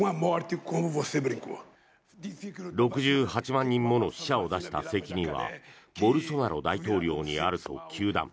６８万人もの死者を出した責任はボルソナロ大統領にあると糾弾。